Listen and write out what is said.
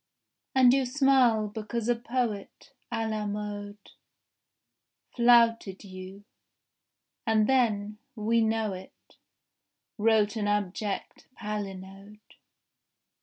And you smile because a poet À la mode Flouted you; and then, we know it, Wrote an abject palinode.